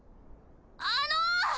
あの！